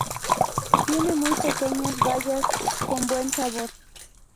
Tiene muy pequeñas bayas con buen sabor.